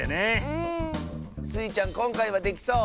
うん。スイちゃんこんかいはできそう？